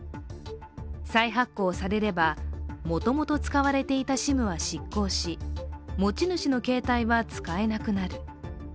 再発行されればもともと使われていたＳＩＭは失効し持ち主の携帯は使えなくなる。